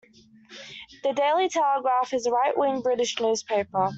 The Daily Telegraph is a right-wing British newspaper.